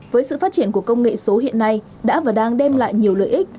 với sự phát triển của công nghệ số hiện nay đã và đang đem lại nhiều lợi ích